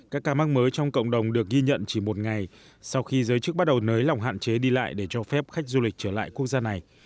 các ca mắc mới trong cộng đồng được ghi nhận chỉ một ngày sau khi giới chức bắt đầu nới lỏng hạn chế đi lại để cho phép khách du lịch trở lại quốc gia này